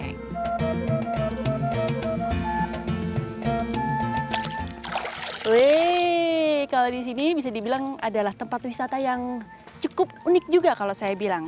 weh kalau di sini bisa dibilang adalah tempat wisata yang cukup unik juga kalau saya bilang